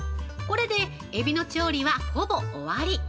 これで、エビの調理はほぼ終わり。